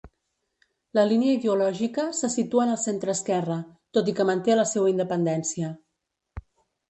La línia ideològica se situa en el centreesquerra, tot i que manté la seua independència.